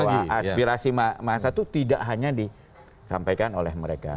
bahwa aspirasi massa itu tidak hanya disampaikan oleh mereka